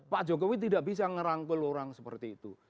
pak jokowi tidak bisa ngerangkul orang seperti itu